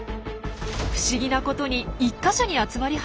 不思議なことに１か所に集まり始めました。